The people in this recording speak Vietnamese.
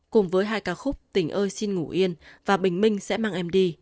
cùng với hai ca khúc tình ơi xin ngủ yên và bình minh sẽ mang em đi